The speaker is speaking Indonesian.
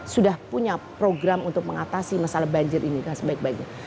sudah punya program untuk mengatasi masalah banjir ini dengan sebaik baiknya